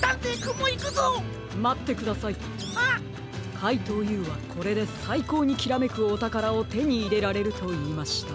かいとうＵはこれでさいこうにきらめくおたからをてにいれられるといいました。